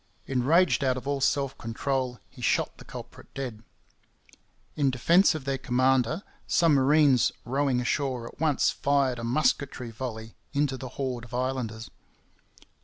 Enraged out of all self control, he shot the culprit dead. In defence of their commander some marines rowing ashore at once fired a musketry volley into the horde of islanders.